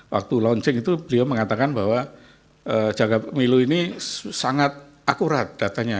waktu launching itu beliau mengatakan bahwa jaga pemilu ini sangat akurat datanya